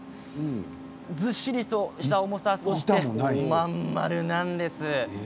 ずっしりとした重さそして、真ん丸なんです。